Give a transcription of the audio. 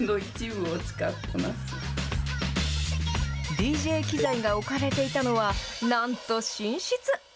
ＤＪ機材が置かれていたのは、なんと寝室。